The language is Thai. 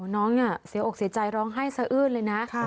น้องเสียอกเสียใจร้องไห้สะอื้นเลยนะ